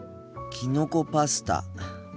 きのこパスタ。